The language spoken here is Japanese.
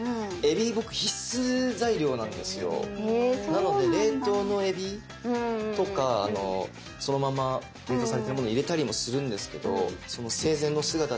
なので冷凍のえびとかそのまま冷凍されてるもの入れたりもするんですけどその生前の姿で。